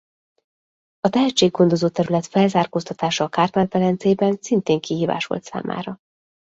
A tehetséggondozó terület felzárkóztatása a Kárpát-medencében szintén kihívás volt számára.